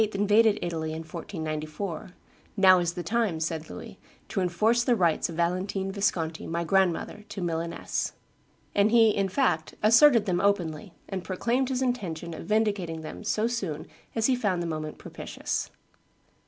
invaded Italy in 1494, "Now is the time," said Louis, "to enforce the rights of Valentine Visconti, my grandmother, to Milaness." And he, in fact, asserted them openly, and proclaimed his intention of vindicating them so soon as he found the moment propitious.